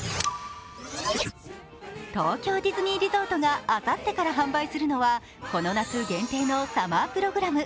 東京ディズニーリゾートがあさってから販売するのはこの夏限定のサマープログラム、。